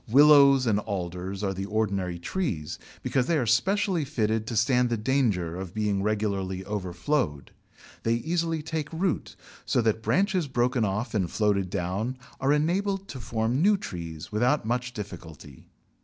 Willows and Alders are the ordinary trees, because they are specially fitted to stand the danger of being regularly overflowed. They easily take root, so that branches broken off and floated down are enabled to form new trees without much difficulty.